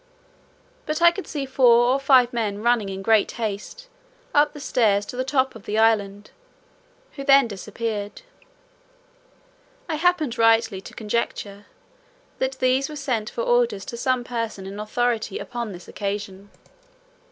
But I could see four or five men running in great haste, up the stairs, to the top of the island, who then disappeared. I happened rightly to conjecture, that these were sent for orders to some person in authority upon this occasion.